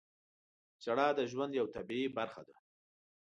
• ژړا د ژوند یوه طبیعي برخه ده.